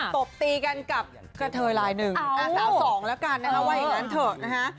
ตบตีกันกับกระเทยลายหนึ่งสาวสองแล้วกันนะคะว่าอย่างนั้นเถอะนะฮะ